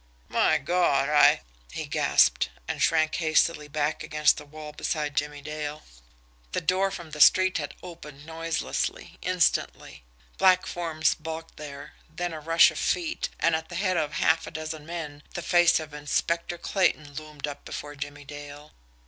"My Gawd, I " He gasped, and shrank hastily back against the wall beside Jimmie Dale. The door from the street had opened noiselessly, instantly. Black forms bulked there then a rush of feet and at the head of half a dozen men, the face of Inspector Clayton loomed up before Jimmie Dale.